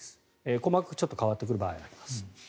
細かくちょっと変わってくる場合があります。